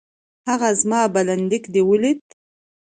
هغه زما بلنليک دې ولېد؟